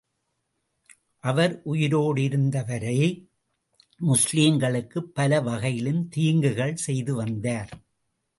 அவர் உயிரோடு இருந்த வரை, முஸ்லிம்களுக்குப் பல வகையிலும் தீங்குகள் செய்து வந்தார்.